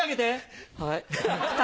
はい。